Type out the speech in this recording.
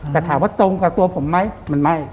แต่ถามว่าตรงกับตัวผมไหมมันไม่